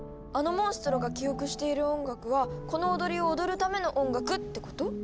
あのモンストロが記憶している音楽はこの踊りを踊るための音楽ってこと？